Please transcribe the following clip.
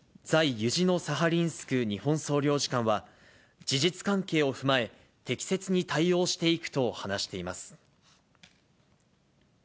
ユジノサハリンスク日本総領事館は、事実関係を踏まえ、適切に対応していくと話しています。